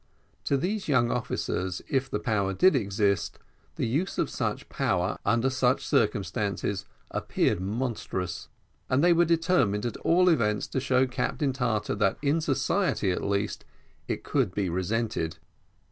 To these young officers, if the power did exist, the use of such power under such circumstances appeared monstrous, and they were determined, at all events, to show to Captain Tartar, that in society, at least, it could be resented.